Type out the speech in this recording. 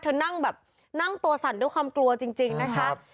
นั่งแบบนั่งตัวสั่นด้วยความกลัวจริงนะคะ